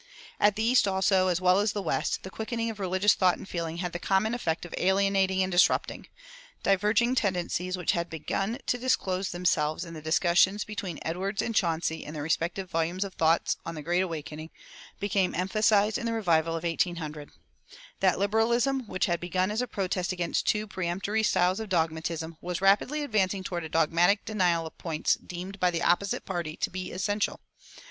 At the East also, as well as at the West, the quickening of religious thought and feeling had the common effect of alienating and disrupting. Diverging tendencies, which had begun to disclose themselves in the discussions between Edwards and Chauncy in their respective volumes of "Thoughts" on the Great Awakening, became emphasized in the revival of 1800. That liberalism which had begun as a protest against a too peremptory style of dogmatism was rapidly advancing toward a dogmatic denial of points deemed by the opposite party to be essential.